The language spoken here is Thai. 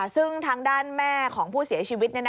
ซึ่งทางด้านแม่ของผู้เสียชีวิต